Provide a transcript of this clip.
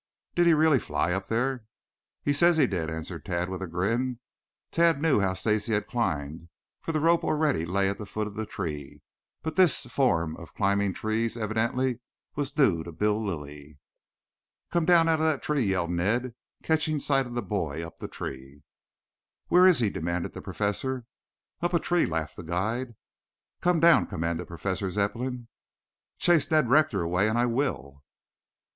Did he really fly up there?" "He says he did," answered Tad with a grin. Tad knew how Stacy had climbed, for the rope already lay at the foot of the tree, but this form of climbing trees evidently was new to Bill Lilly. "Come down out of that!" yelled Ned, catching sight of the boy up the tree. "Where is he?" demanded the Professor. "Up a tree," laughed the guide. "Come down!" commanded Professor Zepplin. "Chase Ned Rector away and I will."